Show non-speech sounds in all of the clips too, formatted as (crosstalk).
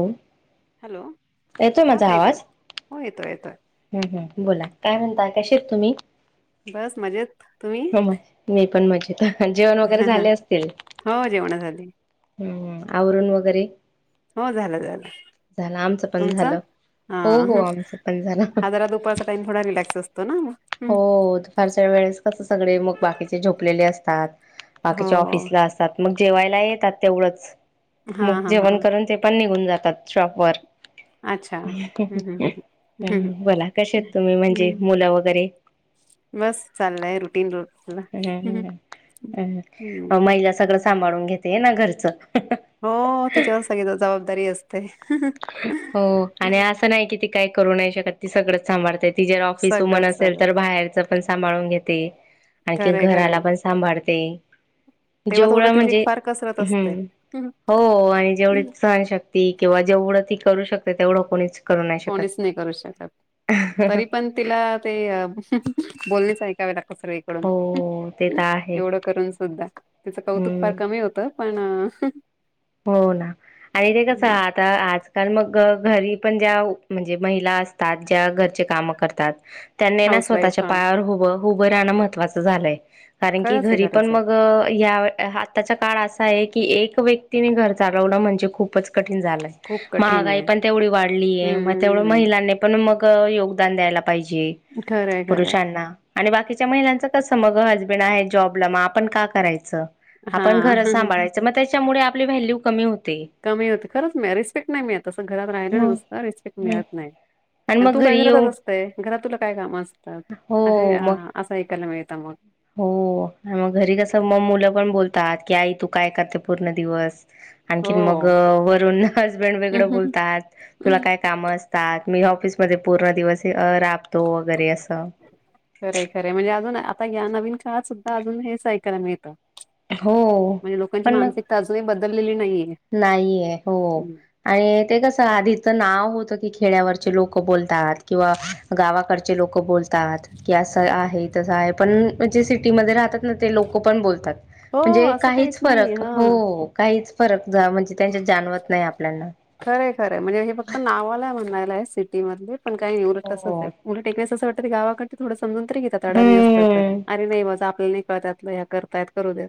हो हॅलो येतोय हा ताई बोला हो येतोय, येतोय हम् हम बोला काय म्हणताय कशेत तुम्ही? बस मजेत तुम्ही मी पण मजेत जेवण वगैरे झाले असतील हो जेवण झाली हम्म आवरून वगैरे हो झालं, झालं झालं आमचं पण तुमचं झालं हा हो हो ह आमचं पण झालं जरा दुपारचा टाईम थोडा रिलॅक्स असतो ना हं. हो दुपारच्या वेळेस कस सगळे मग बाकीचे झोपलेले असतात हो बाकीच्या ऑफिसला अस मग जेवायला येतात तेवढच हा मग हा हा जेवण करून ते पण निघून जातात शॉप वर अच्छा हम् हम् हम् हम् बोला कशेत तुम्ही म्हणजे हम्म मुलं वगैरे बस चाललंय रुटीन रोजच हम्म पिया सगळं सांभाळून घेते ना घरच हो तिच्यावर सगळी जबाबदारी असते हो आणि असं नाही कि ती काय करू नाही शकत ती सगळंच सांभाळते ती जर ऑफिस वूमन सगळंच असेल सगळं तर बाहेरच पण सांभाळून घेते आणखीन खरंय घराला खरंय पण सांभाळते तेव्हा तर जेवढं उलट तुझी म्हणजे फार कसरत असते हम्म हो आणि जेवढे सहन श ती किंवा जेवढं ती करू शकते तेवढं कोणीच करू नाही कोणीच शकत नाही करू शकत तरी पण तिला ते बोलणेचं ऐकावे लागतात सगळे हो ते तर आहे करून सुद्धा तिच कौतुक हम्म फार कमी होत पण हो ना आणि ते कसं आता आजकाल मग घरी पण ज्या म्हणजे महिला असतात ज्या घरचे कामं करतात त्यांनी ना हाऊस वाईफ स्वतःच्या हा पायावर उभं उभं राहणं महत्वाचं झालंय. कारण की खरंच आहे घरी पण खरंच आहे मग या आताच्या काळ असा आहे की एक व्यक्ती क्तीने घर चालवलं म्हणजे खूपच कठीण झालं. खूप कठीण महागाई आहे. पण तेवढी वाढलीये मग तेवढ हम्म महिलांनी पण मग योगदान द्यायला पाहिजे खरंय खरंय पुरुषांना आणि बाकीच्या महिलांचं कस मग हसबेंड आहे जॉबला मग आपण का करायचं? हा आपण घर सांभाळायचं मग त्याच्यामुळे आपली व्हॅल्यू कमी होते. कमी होते खरंच मिळत रिस्पेक्ट नाही मिळत तसं घरात राहिलं हम्म नुसतं रिस्पेक्ट हम्म. मिळत नाही. आणि मग घरी येऊन होय घरात तुला काय काम अस? हो मग. असं ऐकायला मिळतं मग. हो आणि मग घरी कस मग मुलं पण बोलतात की आई तू काय करते पूर्ण दिवस? आणखी मग वरून हजबेंड वेगळं बोलतात हो. तुला काय काम असतात मी ऑफिसमध्ये पूर्ण दिवस अ राबतो वगैरे असं खरय खरे म्हणजे अजून आता या नवीन काळात सुद्धा अजून हेच ऐकायला मिळतं. हो म्हणजे लोकांची पण मानसिक अजूनही बदललेली नाहीये. नाहीये हो. हम्म. आणि ते कसं आधीचं नाव होतं की खेड्यावरचे लोक बोलतात किंवा गावाकडचे लोकं बोलतात. की असं आहे तसं आहे पण जे सिटीमध्ये राहतात ना ते लोक पण बोलतात. हो म्हणजे असं काहीच नाही फरक हा. हो काहीच फरक म्हणजे त्यांच्यात जाणवत नाही आपल्याना. खरंय खरंय म्हणजे हे फक्त नावाला म्हणायला आहे सिटी मधले पण काही एवढं तसंच हो. आहे. उलट ते कसं वाटतं गावाकड थोडं समजून तरी घेतात जरा अडाणी असलात तर हम्म अरे नाही माझ आपल्याला नाही कळत. करतायत करू देत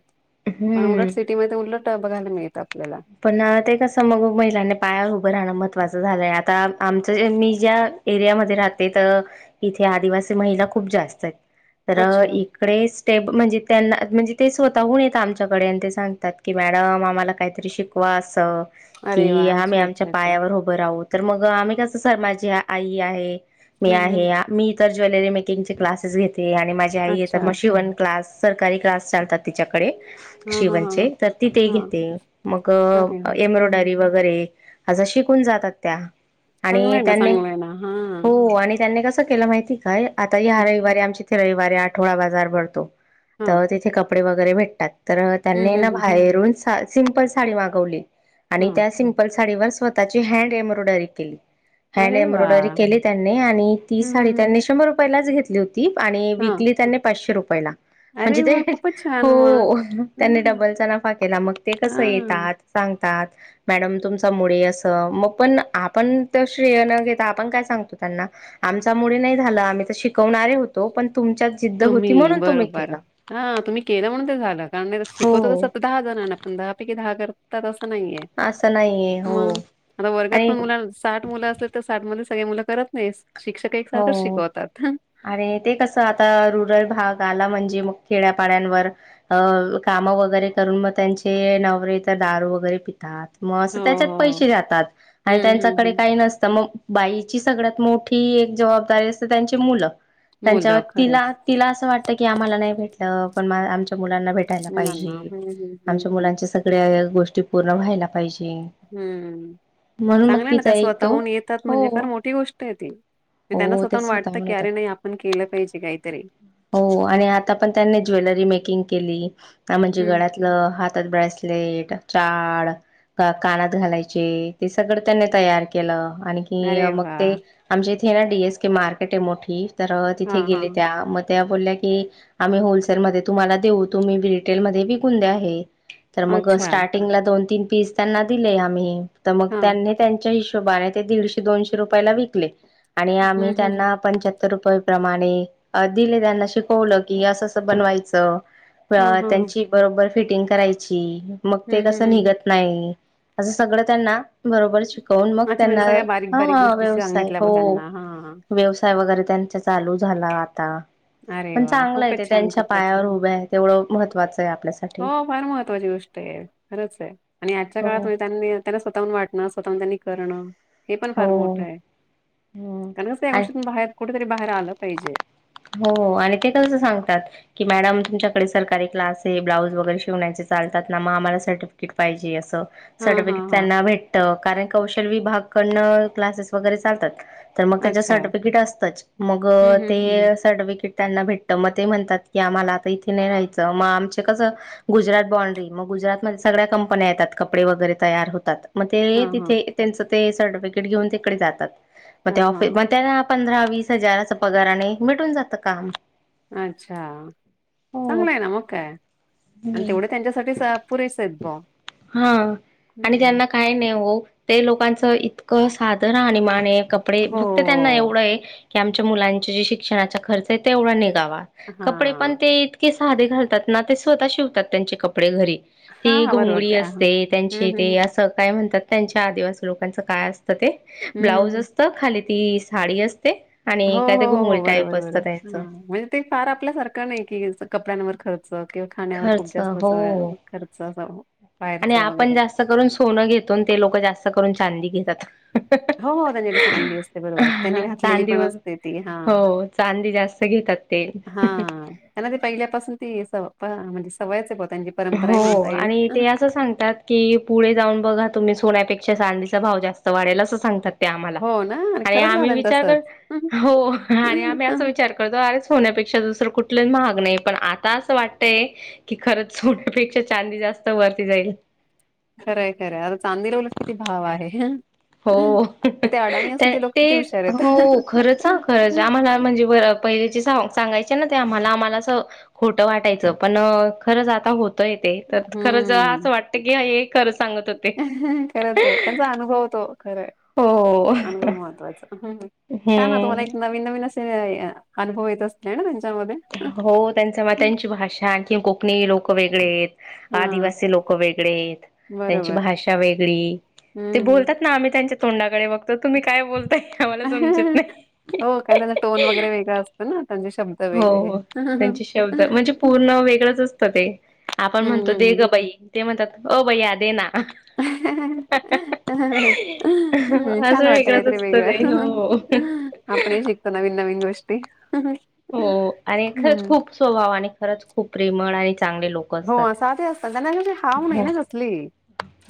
पण उलट हम्म. सिटीमध्ये उलट बघायला मिळत आपल्याला. पण ते कसं मग महिलांनी पायावर उभं राहणं महत्त्वाचं झालंय आता आमचं ज्यांनी ज्या एरियामध्ये राहते तर इथे आदिवासी महिला खूप जास्त आहेत तर अच्छा एक प्रे स्टेप म्हणजे त्यांना म्हणजे ते स्वतःहून येत आमच्याकडे आणि ते सांगतात की मॅडम आम्हाला काहीतरी शिक वा होय अस अरे वा की आम्ही अच्छा आमच्या अच्छा अच्छा पायावर उभ ऊभ राहून तर मग आम्ही कसय माझी आई आहे मी हम्म हम्म आहे. मी इ तर ज्वेलरी मेकिंगचे क्लासेस घेते. आणि माझी आई य अच्छा. तर मग शिवन क्लास. सरकारी क्लास चालतात तिच्याकडे हा हा हा शिवणचे तर ती ते हा घेते. अरे वा हो हम्म एम्ब्रॉयडरी वगैरे अस शिकून जातात त्या. आणि चांगलंय ना त्यांनी चांगलंय ना हा हो आणि त्यांनी कसं केलं माहिती काय आता हम्म. ह्या रविवारी आमची रविवारी आठवडा बाजार भरतो, हां. तर तिथे कपडे वगैरे भेटतात. तर हं, त्यांनी हं, ना हं. बाहेरून सा सिमपल साडी मागवली. आणि हां. त्या सिप पल साडी वर स्वतःची हँड एम्ब्रॉयडरी केली. हँड अरे एम्ब्रॉयडरी वाह! केली त्यांनी आणि ती हं, हं, साडी हं. त्यांनी शंभर रुपयालाच घेतली होती. आणि हां. वीकली त्यांनी पाचशे रुपय ला. म्हणजे अरे ते वाह! खूपच छान मग. हो त्यांनी हं. डबलचा नफा केला मग ते कसं येत. हां. सांगतात. मॅडम तुमचा मुळे असं मग पण आपण तर श्रेय न घेता आपण काय सांगतो त्यांना. आमच्यामुळे नाही झालं, आम्ही तर शिकवणारे होतो. पण तुमच्या तुम्ही, बरोबर हां तुम्ही केलं म्हणून ते झालं, कारण मी ज हो शिकतच हो सतत दहा जणांना पण दहा पैकी दहा करतात आसं नाहीये. असं नाहीये म, हो आता वर्गात आणि पण मुल साठ मुलं असल तर साठ मध्ये सगळी मुलं करत नाही. शिक्षक एकसारखच शिकवतात. आरे ते कसं आता रुरल भाग आला म्हणजे मग खेड्यापाड्यांवर अ काम वगैरे करून म त्यांचे नवरे तर दारू वगैरे पि तात म स हो, त्याच्यात हो. पैसे जातात. आणि हं, हं, त्यांच्याकडे हं. काही नसतं म बाईची सगळ्यात मोठी एक जवाबदारी असते त्यांची मुलं, त्यांच्यावर मुलं तिला खरंच. तिला असं वाटतं की, आम्हाला नाही भेटलं पण मा आमच्या मुलांना भेट टायला मुलांना. पाहिजे, हं, हं, हं, आमच्या हं. मुलांच्या सगळ्या गोष्टी पूर्ण व्हायला पाहिजे. हम्म, म्हणून मग चांगलं आय ना तिचा त्या एक तो स्वतःहून येतात हो म्हणजे फार मोठी गोष्ट आहे ती. म त्यांना हो स्वतःहून तेच वाटतं, की येतात अरे नाही आपण केलं पाहिजे काहीतरी. ओ आणि आता पण त्यांनी ज्वेलरी मेकिंग केली. का म्हणजे हम्म. गळ्यात लं हातात पायातले का चाळ का कानात घालायचे ते सगळं त्यांनी तयार केलं. आणि कि अरे मग ते वाह! आमच्या इथे ना डीएस केे मार्केट आहे मोठी, तर तिथे हां, गेले हां. त्या म त्या बोलल्या की आम्ही होलसेलमध्ये तुम्हाला देऊ तुम्ही रिटेल मधे विकून द्या हे. तर मग अच्छा. स्टार्टिंगला दोन तीन पीस त्यांना दिले आम्ही. त मग हां. त्यांनी त्यांच्या हशोबाने दीडशे दोनशे रुपयाला विकले. आणि हं, आम्ही हं, हं. त्यांना पंच्या त रुपये प्रमाणे दिले त्यांना शिकवलं की आसं आसं बनवायचं. प्र हां, हां, हां. त्यांची बरोबर फिटिंग करायची. मग ते हं, हं, कसं हं. निघत नाई. असं सगळं त्यांना बरोबर शिकवून, मग अच्छा त्यांना म्हणजे सगळ्या बारीक-बारीक हावा गोष्टी व्यवसाय सांगितल्या मग हो. त्यांना, हा हां. व्यवसाय वगैरे त्यांचा चालू झाला आता, अरे पण वाह! चांगल आय तेे खूपच छान, त्यांच्या खूपच पायावर छान. उभ्या आहेत. तेवढं महत्वाचं आहे आपल् हो फार महत्त्वाची गोष्ट आहे. खरंच आहे. आणि आजच्या हो. काळात त्यांनी त्यांना स्वतःहून वाटणं, स्वतःहून त्यांनी करणं. हे पण हो फार मोठं आहे. हम्म कारण कस या आणि गोष्टीतून बाहेर कुठेतरी बाहेर आलं पाहिजे. हो, आणि ते कसं सांगतात कि मॅडम तुमच्याकडे सरकारी क्लास आहे. ब्लाउज वगैरे शिवण्याचे चालतात ना म आम्हाला सेटअप किट पाहिजे आसं. हां, हां, सर्टिफिकेट हां, त्यांना हां. भेटत. कारण कौशल विभागकडन क्लासेस वगैरे चालतात. तर मग त्याच्य अच्छा. सर्टिफिकेट असतच्य मग हं, हं, ते हं. सर्टिफिकेट त्यांना भेटत, म ते म्हणतात की आम्हाला आता इथे नाही राहायचं म आमच्य कसं गुजरात बाॉंड्री म गुजरातमध्ये सगळ्या कंपन्या येतात कपडे वगैरे तयार होतात. म हा ते हा तिथे त्यांच ते सर्टिफिकेट घेऊन तिकडे जातात. हा मग हा फि (unintelligible) मग पंधरा वीस हजाराचं पगारने, भेटून जात काम. आच्छा. हो. चांगलं आहे ना मग काय आणि हम्म. तेवढ त्यांच्यासाठीच पुरेस आहेत भाव. हं, आणि त्यांना काय नाई हो, ते लोकांच इतकं साधं राहणिमाण आये कप डे फक्त त्यांना हो एवढं आहे, की आमच्या मुलांचे शिक्षणाचा खर्च आहे तेवढा निगावा. हा कपडे पण ते इतके साधे घालतात ना, ते स्वतः शिवतात त्यांचे कपडे घरी. हा ती हा बरोबर घोंगडी ते हा हम्म असते, त्यांच्ये हम्म ते असं काय म्हनतात त्यांच्या आदिवासी लोकांच काय असतं ते, हम्म हम्म ब्लाऊज हम्म असत खाली ती साडी असते. हो आणि काय ते हो हो घोंगुळी. हो बरोबर बरोबर हं म्हणजे ते फार आपल्यासारखं नाही कि असं कपड्यांवर खर र्च किंवा खाण्यावर खूप खर्च जास्त अस हो खर्च अस बाहेरच वगैरे स्त करून सोनं घेतो आणि ते लोक जास्त करून चांदी घेतात. हो हो त्यांच्याकडे चांदी असते बरोबर त्यांनी घातलेली चांदी पण वर असते ती हा हो चांदी जास्त घेतात. ते हा त्यांना ते पहिल्यापासून ती सव प म्हणजे सवयच हाय बुआ त्यांची परंपरा आहे हो म्हणता आणि येईल ते असं सांगतात की पुढ जाऊन बघा तुम्ही सोन्यापेक्षा चांदीचा भाव जास्त वाढेल असं सांगतात. आम्हाला हो ना आणि खरंच आम्ही झालं ना विचार तसंच. कर हो आणि आम्ही अस विचार कर खर त अरे सोन्यापेक्षा दुसरं कुठलं महाग नाही पण आता असं वाटतय की खर सोन्यापेक्षा चांदी जास्त वरती जाईल. खरंय खरं आता चांदीला उलट किती भाव आहे. हो मग अडाणी ते असून लोक किती हुशार आहेत. हो खरंच ह खरंच आम्हाला म्हणजे बरं पहिले चे स सांगायचे ना ते आम्हाला आम्हाला अस खोटं वाटायचं पण खरंच आता होत तय ते त खरंच असं वाटत की खरं सांगत होते खरचये त्यांचा अनुभव तो खरय हो अनुभव महत्त्वाचा छान तुम्हाला हम्म एक नवीन नवीन असे अनुभव येत असतील हे ना त्यांच्यामध्ये हो त्यांच मग त्यांची भाषा आणखीन कोकणी लोक वेगळेयेत. हा आदिवासी लोक वेगळेत त्यांची बरोबर. भाषा वेगळी ते हम्म. बोलतात. आम्ही त्यांच्या तोंडाकडे बघतो तुम्ही काय बोल हो का त्यांचा टोन वगैरे वेगळां असतो ना त्यांचे शब्द हो वेगळे हो त्यांचे शब्द म्हणजे पूर्ण वेगळंच असतं ते आपण हम्म, म्हणतो दे हम्म. ग बाई ते म्हणतात ओ बया दे ना छान असं वाटत वेगळंच काहीतरी असतं ते वेगळं हो आपण ही शिक त नवीन नवीन गोष्टी हो आणि खरंच खूप स्वभाव आणि खरंच खूप प्रेमळ आणि चांगले लोक हो असतात साधे असतात त्यांना हाऊ नाय हो ना कसली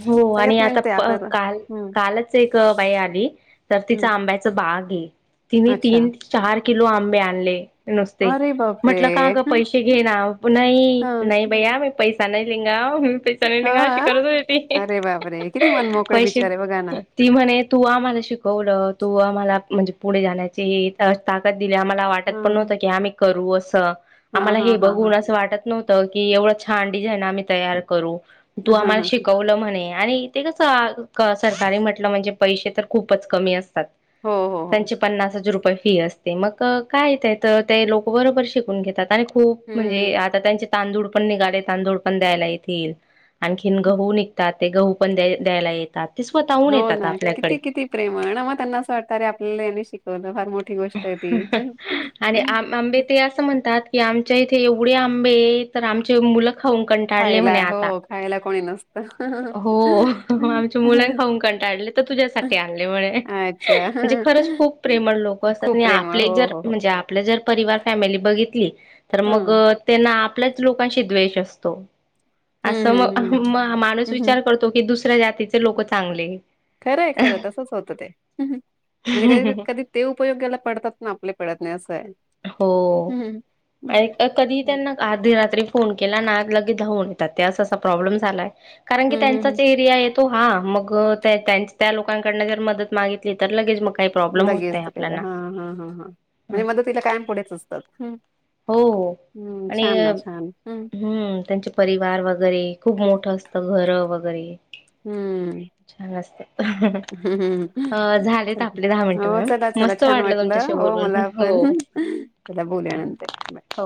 हो आणि सगळ्यात मेन आता ते प आपल्याला काल हं, कालच एक बाई आली तर तिचा हं. आंब्या बाग ये तिनी अच्छा. तीन चार किलो आंबे आणले. नुसते अरे बापरे! म्हटलं का ग पैसे घे ना नही हं, नही बया मी पैसा नाय लेंगा. पैसा नाय लेंगा अशी अ, करत होती ती अरे बापरे! किती मनमोकळे पैसे बिचारे बघा ना. ती म्हणे तू आम्हाला शिकवलं तू आम्हाला म्हणजे पुढे जाण्याची ताकद दिली आम्हाला वाट त पण हां, नव्हत आम्ही करू असं हां, आम्हाला हे हां, हां, हां. बघून असं वाटत नव्हतं की एवढं छान डिझाईन आम्ही तयार करू तू हां, हां, आम्हाला हां. शिकवलं म्हणे आणि ते कसं सरकारी म्हटलं म्हणजे पैसे तर खूपच कमी असतात. हो हो हो. पन्नासचं हजार रुपये फी असते मग काय तर ते लोक बरोबर शिकून घेतात आणि खूप हं. म्हणजे आता त्यांचे तांदूळ पण निघाले तांदूळ पण द्यायला येतील. आणखीन गहू निघतात ते गहू पण द्या द्यायला येतात ते स्वतःहून येतात आपल्याकडे प्रेमळ नं मग त्यांना असं वाटतं अरे आपल्याला यांनी शिकवलं फार मोठी गोष्ट आहे ती. आणि आम आंबे ते असं म्हणतात की आमच्या इथे एवढे आंबे ये तर आमचे मुलं खाऊन कंटाळले खायला म्हणे हो आता खायला कोणी नसतं. हो आमच्या मुल खाऊन कंटाळलीत. ते तुझ्यासाठी आणले म्हणे, म्हणजे अच्छा खरंच खूप प्रेमळ लोक असतात खूप नी प्रेमळ आपले हो जर हो हो. ज्या आपली जर परिवार फॅमिली बघितली तर हा मग त्येला आपल्याच लोकांशी द्वेष असतो. हम्म असं हम्म मग, माणूस हम्म हम्म विचार करतो की दुसऱ्या जातीचे लोक चांगले. खरंय, खरं तसंच होतं ते म्हणजे वेळेवर कधी ते उपयोग्याला पडतात, ना आपल्या पडत नाही असंय. हो कधी त्यांना अर्धी रात्री फोन केला ना, लगे धावून येतात ते असा ते प्रॉब्लेम झालाय. कारण की हम्म हम्म त्यांचाच एरिया आहे तो हा मग त्या त्याच त्या लोकांकडन जर मदत मागित लगेच मग, काही प्रॉब्लेम होत लगेच नाही केलं आपल्याना. हा, हा, हा, हा हो मदतीला कायम पुढेच असतात. हो हो हम्म आणि छान ना छान हम्म त्यांचे परिवार वगैरे खूप मोठं असतं घरं वगैरे हम्म छान असत. अ झालेत चला. आपले दहा मिनटं हो चला मॅडम चला मस्त छान वाटलं तुमच्याशी हो बोलून मला हो पण चला बोलूया नंतर बाय. हो